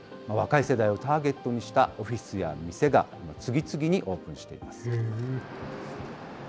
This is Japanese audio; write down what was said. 若い世代をターゲットにしたオフィスや店が次々にオープンしています。